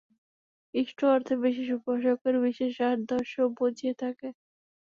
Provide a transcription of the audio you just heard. ইষ্ট-অর্থে বিশেষ উপাসকের বিশেষ আদর্শ বুঝিয়ে থাকে।